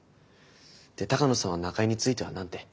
で鷹野さんは中江については何て？